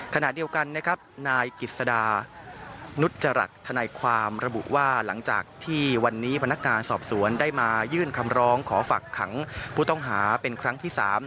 ขณะเดียวกันนะครับนายกิจสดานุจจรัสธนายความระบุว่าหลังจากที่วันนี้พนักงานสอบสวนได้มายื่นคำร้องขอฝักขังผู้ต้องหาเป็นครั้งที่๓